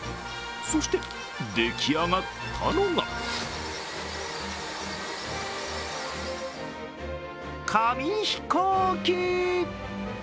そして、出来上がったのが紙飛行機！